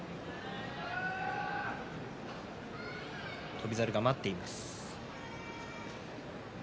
翔猿が待っています。